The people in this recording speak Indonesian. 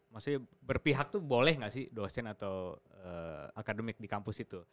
maksudnya berpihak tuh boleh nggak sih dosen atau akademik di kampus itu